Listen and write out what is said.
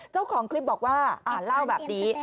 เจ้าของคลิปบอกว่าอ่านเล่าแบบนี้